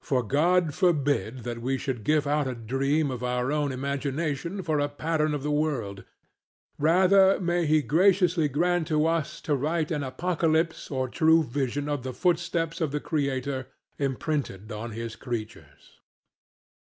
For God forbid that we should give out a dream of our own imagination for a pattern of the world; rather may he graciously grant to us to write an apocalypse or true vision of the footsteps of the Creator imprinted on his creatures.